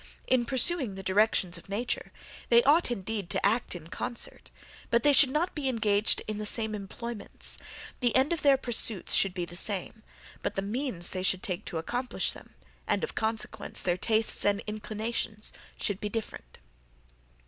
In pursuing the directions of nature, they ought indeed to act in concert, but they should not be engaged in the same employments: the end of their pursuits should be the same, but the means they should take to accomplish them, and, of consequence, their tastes and inclinations should be different."